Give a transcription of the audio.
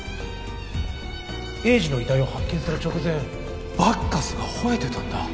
栄治の遺体を発見する直前バッカスが吠えてたんだ